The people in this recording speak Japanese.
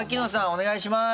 お願いします。